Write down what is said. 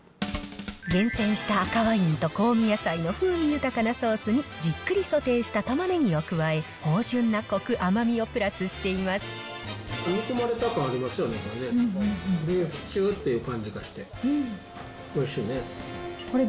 厳選した赤ワインと香味野菜の風味豊かなソースにじっくりソテーしたたまねぎを加え、芳じゅんなコク、甘みをプラスしていま煮込まれた感ありますよね、これね。